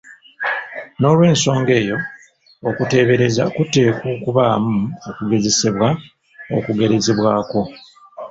Noolwensonga eyo, okuteebereza kuteekwa okubaamu okugezesebwa okugerezebwako.